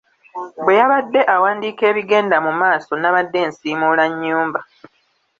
Bwe yabadde awandiika ebigenda mu maaso nabadde nsiimuula nnyumba.